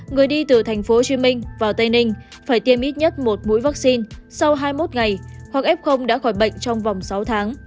người đi từ tp hcm vào tây ninh phải tiêm ít nhất một mũi vaccine sau hai mươi một ngày hoặc f đã khỏi bệnh trong vòng sáu tháng